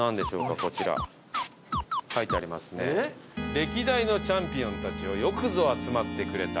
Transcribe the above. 「歴代のチャンピオンたちよよくぞ集まってくれた。